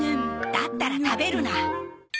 だったら食べるな。